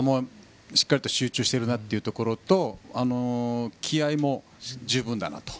しっかりと集中しているなというところと気合いも十分だなと。